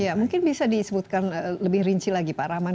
ya mungkin bisa disebutkan lebih rinci lagi pak rahman